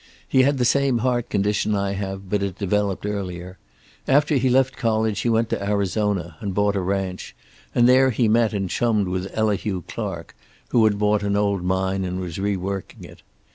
"He had the same heart condition I have, but it developed earlier. After he left college he went to Arizona and bought a ranch, and there he met and chummed with Elihu Clark, who had bought an old mine and was reworking it.